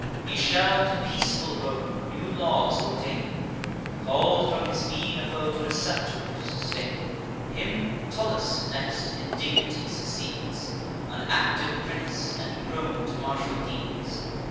He shall to peaceful Rome new laws ordain, Call'd from his mean abode a scepter to sustain. Him Tullus next in dignity succeeds, An active prince, and prone to martial deeds.